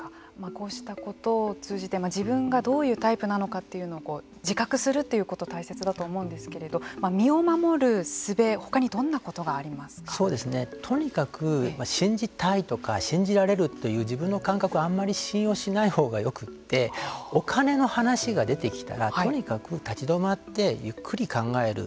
こうしたことを通じて自分がどういうタイプなのかというのを自覚するということ大切だと思うんですけれど身を守るすべとにかく信じたいとか信じられるという自分の感覚をあんまり信用しないほうがよくてお金の話が出てきたらとにかく立ち止まってゆっくり考える。